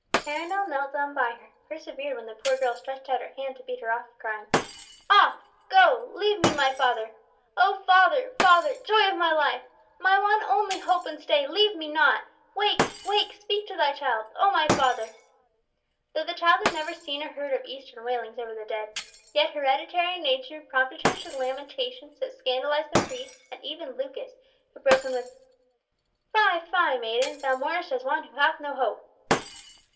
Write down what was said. Perronel knelt down by her, persevered when the poor girl stretched out her hand to beat her off, crying, "Off! go! Leave me my father! O father, father, joy of my life! my one only hope and stay, leave me not! Wake! wake, speak to thy child, O my father!" Though the child had never seen or heard of Eastern wailings over the dead, yet hereditary nature prompted her to the lamentations that scandalised the priests and even Lucas, who broke in with "Fie, maid, thou mournest as one who hath no hope."